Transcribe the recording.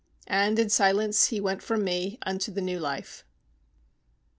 And in silence he went from me unto the New Life.